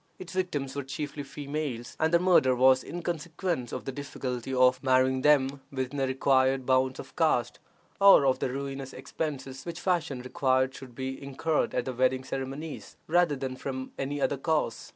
Its victims were chiefly females, and their murder was in consequence of the difficulty of marrying them within the required bounds of caste, or of the ruinous expenses which fashion required should be incurred at the wedding ceremonies, rather than from any other cause.